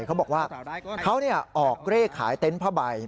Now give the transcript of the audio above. เขาบอกว่าเขาออกเลขขายเต็นต์พระบัย